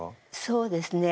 そうですね。